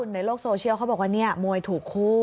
หูยคุณมีโลกโซเชียวเขาบอกว่านี่มวยถูกคู่